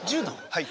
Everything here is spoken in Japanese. はい。